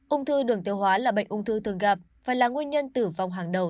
ung thư đường tiêu hóa là bệnh ung thư thường gặp phải là nguyên nhân tử vong hàng đầu